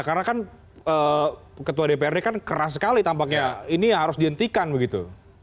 karena kan ketua dprd kan keras sekali tampaknya ini harus dihentikan begitu